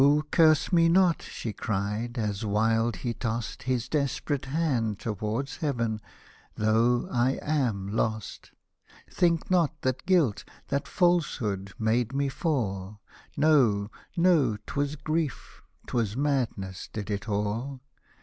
curse me not/' she cried, as wild he tossed His desperate hand towards Heaven —" though I am lost, Think not that guilt, that falsehood made me fall, No, no — 'twas grief, 'twas madness did it all